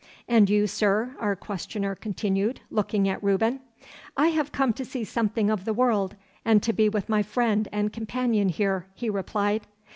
'And you, sir?' our questioner continued, looking at Reuben. 'I have come to see something of the world, and to be with my friend and companion here,' he replied.